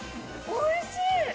おいしい！